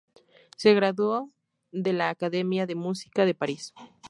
Se graduó de la Academia de Música de París.